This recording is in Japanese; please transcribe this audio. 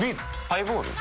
ハイボール？